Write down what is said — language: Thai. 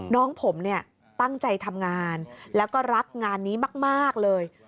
น้องผมเนี่ยตั้งใจทำงานแล้วก็รักงานนี้มากเลย